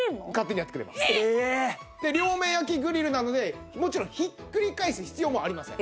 で両面焼きグリルなのでもちろんひっくり返す必要もありません。